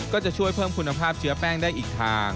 ก็จะช่วยเพิ่มคุณภาพเชื้อแป้งได้อีกทาง